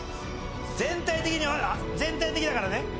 全体的に全体的だからね。